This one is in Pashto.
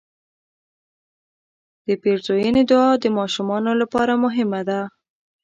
د پیرزوینې دعا د ماشومانو لپاره مهمه ده.